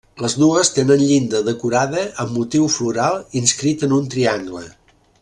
Les dues tenen llinda decorada amb motiu floral inscrit en un triangle.